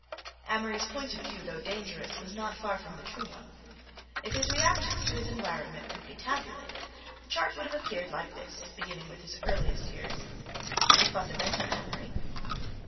Amory's point of view, though dangerous, was not far from the true one. If his reactions to his environment could be tabulated, the chart would have appeared like this, beginning with his earliest years: 1. The fundamental Amory.